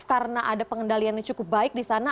karena ada pengendalian yang cukup baik disana